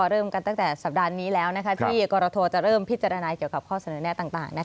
เริ่มกันตั้งแต่สัปดาห์นี้แล้วที่กรทจะเริ่มพิจารณาเกี่ยวกับข้อเสนอแน่ต่าง